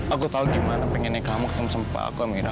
aku tau gimana pengennya kamu ketemu sama papa aku amin